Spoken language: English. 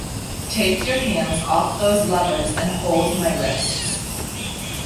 Take your hands off those levers, and hold my wrists.